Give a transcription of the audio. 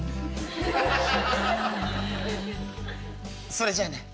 「それじゃあね」。